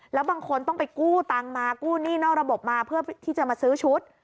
แล้วบางคนต้องไปกู้ตังค์มากู้หนี้นอกระบบมาเพื่อที่จะมาซื้อชุด